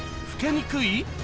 老けにくい？